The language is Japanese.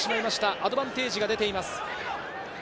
アドバンテージが出ています。